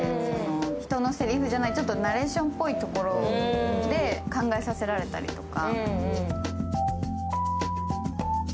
人のせりふじゃない、ちょっとナレーションっぽいところで考えさせられたりとか。